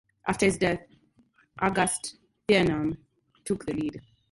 After his death, August Thienemann took the lead.